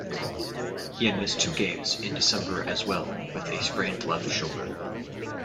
He had missed two games in December as well with a sprained left shoulder.